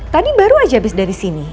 tadi baru aja habis dari sini